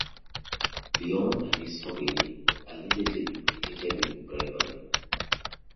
Leone and his family were allegedly implicated in the bribery.